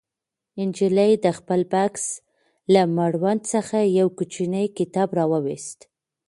نجلۍ د خپل بکس له مړوند څخه یو کوچنی کتاب راوویست.